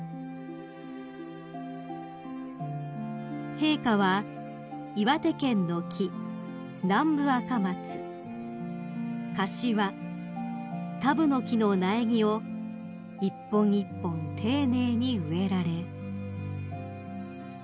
［陛下は岩手県の木ナンブアカマツカシワタブノキの苗木を一本一本丁寧に植えられ］